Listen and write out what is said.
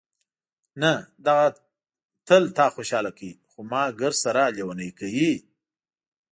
نه، دغه تل تا خوشحاله کوي، خو ما ګردسره لېونۍ کوي.